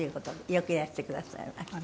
よくいらしてくださいました。